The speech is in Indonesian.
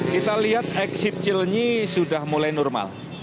kita lihat exit cilnyi sudah mulai normal